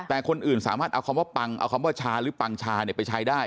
แต่คนอื่นสามารถเอาคำว่าปังเอาคำว่าชาหรือปังชาไปใช้ได้